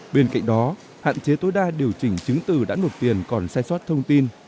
bên cạnh đó hạn chế tối đa điều chỉnh chứng từ đã nộp tiền còn sai sót thông tin